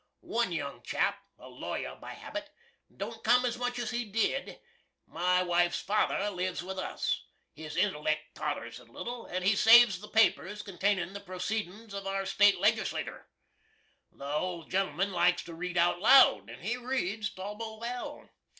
One young chap a lawyer by habit don't cum as much as he did. My wife's father lives with us. His intelleck totters a little, and he saves the papers containin' the proceedins of our State Legislater. The old gen'l'man likes to read out loud, and he reads tol'ble well.